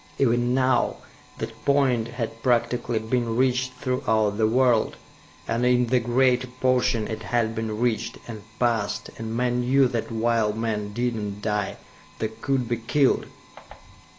Even now that point had practically been reached throughout the world, and in the greater portion it had been reached, and passed, and men knew that while men did not die, they could be killed!